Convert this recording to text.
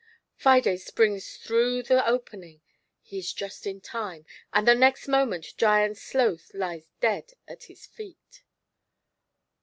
Fides springs through the opening, he is just in time, and the next moment Giant Sloth lies dead at his feet.